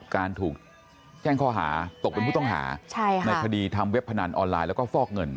การถูกแจ้งข้อหาตกเป็นผู้ต้องหาในคดีทำเว็บพนันออนไลน์แล้วก็ฟอกเงิน